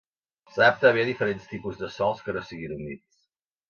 S'adapta bé a diferents tipus de sòls que no siguin humits.